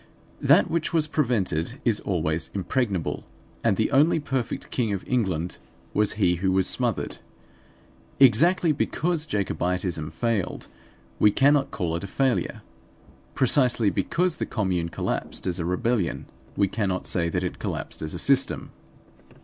That which was prevented is always impregnable; and the only perfect King of England was he who was smothered. Exactly be cause Jacobitism failed we cannot call it a failure. Precisely because the Commune collapsed as a rebellion we cannot say that it collapsed as a system.